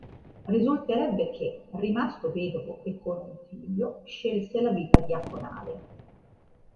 Risulterebbe che, rimasto vedono e con un figlio, scelse la vita diaconale.